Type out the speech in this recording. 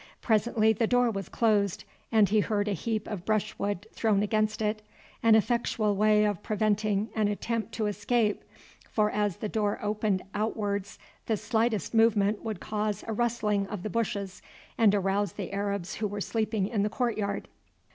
Presently the door was closed, and he heard a heap of brushwood thrown against it, an effectual way of preventing an attempt to escape, for as the door opened outwards the slightest movement would cause a rustling of the bushes and arouse the Arabs who were sleeping in the court yard.